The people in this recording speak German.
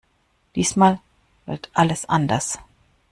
Diesmal wird alles anders!